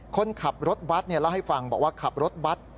คนขับรถบัตรเล่าให้ฟังบอกว่าขับรถบัตร